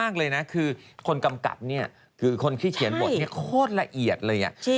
เลยนะคือคนกำกับเนี่ยคือคนที่เขียนบทเนี่ยโคตรละเอียดเลย